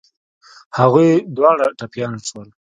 هغوی دواړه ټپيان شول.